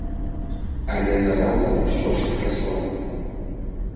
Але зараза ўсё ж расла.